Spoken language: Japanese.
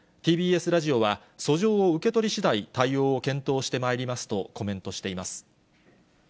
ＴＢＳラジオは、訴状を受け取りしだい、対応を検討してまいりますとコメントしています。